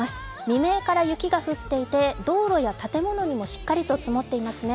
未明から雪が降っていて道路や建物にもしっかりと積もっていますね。